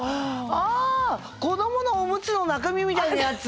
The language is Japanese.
あ子どものおむつの中身みたいなやつ。